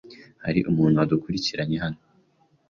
Hari umuntu wadukurikiranye hano?